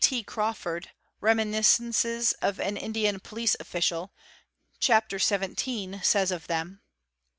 T. Crawford, " Reminiscences of an Indian Police Official," hapter XVII., says of them.